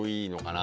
な